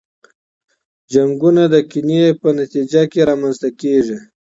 جنګونه د کینې په نتیجه کي رامنځته کیږي.